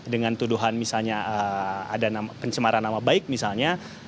dengan tuduhan misalnya ada pencemaran nama baik misalnya